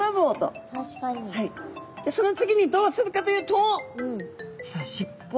でその次にどうするかというとしっぽ